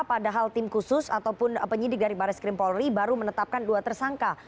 padahal tim khusus ataupun penyidik dari baris krim polri baru menetapkan dua tersangka